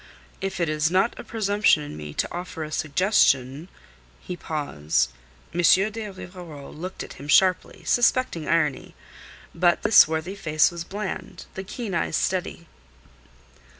"If it is not a presumption in me to offer a suggestion...." He paused. M. de Rivarol looked at him sharply, suspecting irony. But the swarthy face was bland, the keen eyes steady.